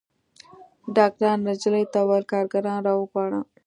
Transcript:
ډاکتر نجلۍ ته وويل کارګران راوغواړه.